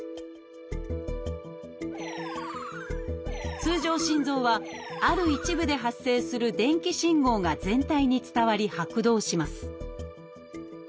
通常心臓はある一部で発生する電気信号が全体に伝わり拍動します